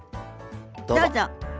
どうぞ。